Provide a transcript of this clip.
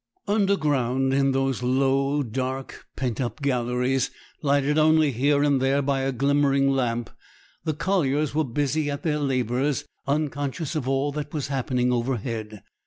Underground, in those low, dark, pent up galleries, lighted only here and there by a glimmering lamp, the colliers were busy at their labours, unconscious of all that was happening overhead.